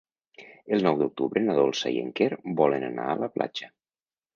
El nou d'octubre na Dolça i en Quer volen anar a la platja.